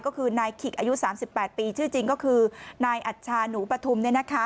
ก็คือนายขิกอายุ๓๘ปีชื่อจริงก็คือนายอัชชาหนูปฐุม